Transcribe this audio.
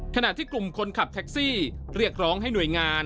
ขณะที่กลุ่มคนขับแท็กซี่เรียกร้องให้หน่วยงาน